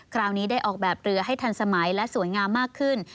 คราวนี้ได้ออกแบบเรือให้ทันสมัยและสวยงามมากขึ้น